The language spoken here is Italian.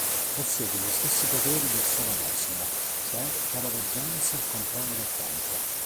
Possiede gli stessi poteri del suo medesimo, cioè chiaroveggenza e controllo del tempo.